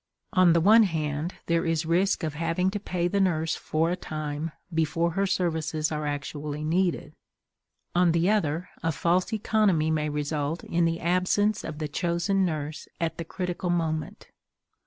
On the one hand, there is risk of having to pay the nurse for a time before her services are actually needed; on the other, a false economy may result in the absence of the chosen nurse at the critical moment.